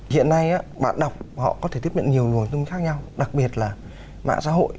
hiện nay bạn đọc họ có thể tiếp cận nhiều nguồn thông tin khác nhau đặc biệt là mạng xã hội